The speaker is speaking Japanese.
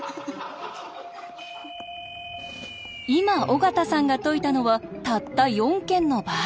今尾形さんが解いたのはたった４軒の場合。